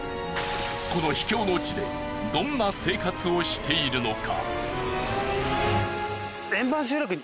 この秘境の地でどんな生活をしているのか。